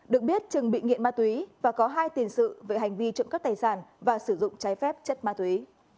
được biết trừng bị nghiện ma túy và có hai tiền sự về hành vi trộm cắp tài sản và sử dụng trái phép chất ma túy